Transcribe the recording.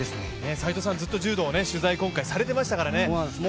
斎藤さんはずっと柔道取材を今回されていましたからね。